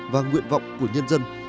và nguyện vọng của nhân dân